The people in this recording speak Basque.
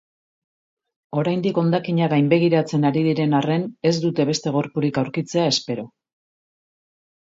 Oraindik hondakinak gainbegiratzen ari diren arren, ez dute beste gorpurik aurkitzea espero.